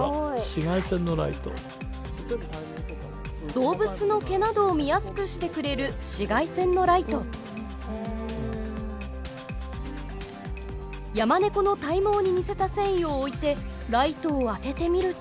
動物の毛などを見やすくしてくれるヤマネコの体毛に似せた繊維を置いてライトを当ててみると。